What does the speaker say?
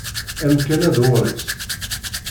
Amkan-a d uɣris.